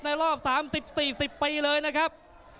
รอบ๓๐๔๐ปีเลยนะครับ